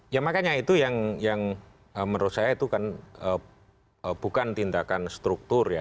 ya makanya itu yang menurut saya itu kan bukan tindakan struktur ya